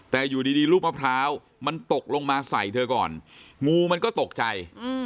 แต่อยู่ดีลูกมะพร้าวมันตกลงมาใส่เธอก่อนงูมันก็ตกใจ